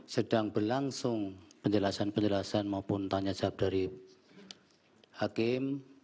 sedang berlangsung penjelasan penjelasan maupun tanya jawab dari hakim